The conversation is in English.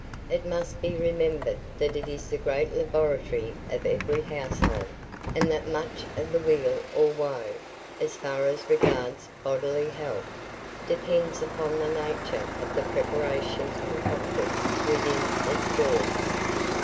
It must be remembered that it is the great laboratory of every household, and that much of the "weal or woe," as far as regards bodily health, depends upon the nature of the preparations concocted within its walls.